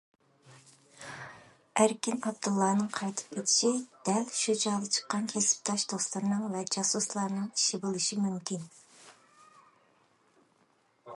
ئەركىن ئابدۇللانىڭ قايتىپ كېتىشى دەل شۇ چاغدا چىققان كەسىپداش دوستلىرىنىڭ ۋە جاسۇسلارنىڭ ئىشى بولۇشى مۇمكىن.